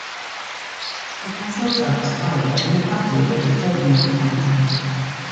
The castle itself is private and the property of the Polignac family.